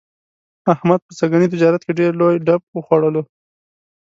احمد په سږني تجارت کې ډېر لوی ډب وخوړلو.